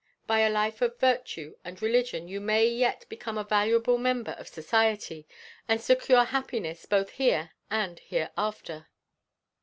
By a life of virtue and religion, you may yet become a valuable member of society, and secure happiness both here and hereafter."